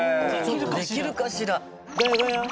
できるかしら。